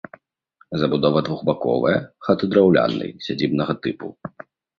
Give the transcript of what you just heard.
Забудова двухбаковая, хаты драўляныя, сядзібнага тыпу.